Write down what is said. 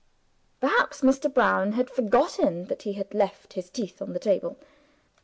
Perhaps Mr. Brown had forgotten that he had left his teeth on the table.